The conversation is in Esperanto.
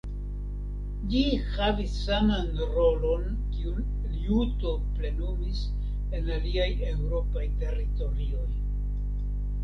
Ĝi havis saman rolon kiun liuto plenumis en aliaj eŭropaj teritorioj.